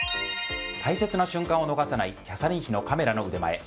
大切な瞬間を逃さないキャサリン妃のカメラの腕前。